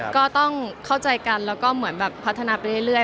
ก็ต้องเข้าใจกันแล้วก็เหมือนแบบพัฒนาไปเรื่อย